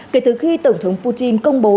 kể từ khi tổng thống putin công bố